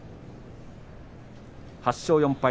８勝４敗